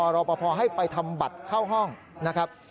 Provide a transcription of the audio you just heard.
รอปภให้ไปทำบัตรเข้าห้องนะครับ